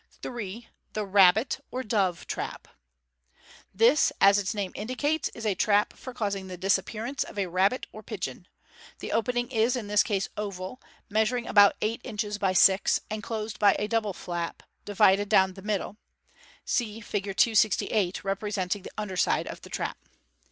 3. The ''Rahbit" or "Dove*'' Trap. — This, as its name indicates, is a trap for causing the disappearance of a rabbit or pigeon. The opening is in this case oval, measuring about eight inches by six, and closed by a double flap, divided down the middle (see Fig. 268, representing the under side of the trap.)